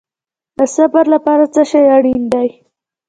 د صبر لپاره څه شی اړین دی؟